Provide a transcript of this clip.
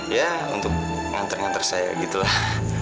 ya untuk nganter nganter saya gitu lah